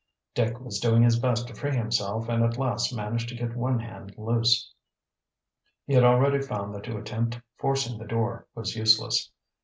Dick was doing his best to free himself and at last managed to get one hand loose. He had already found that to attempt forcing the door was useless.